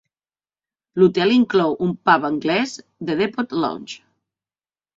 L'hotel inclou un pub anglès, The Depot Lounge.